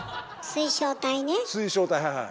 水晶体はいはい。